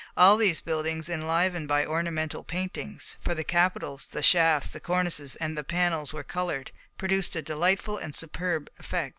All these buildings, enlivened by ornamental paintings, for the capitals, the shafts, the cornices, and the panels were coloured, produced a delightful and superb effect.